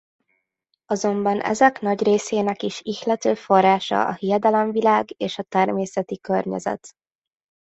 Azonban ezek nagy részének is ihlető forrása a hiedelemvilág és a természeti környezet.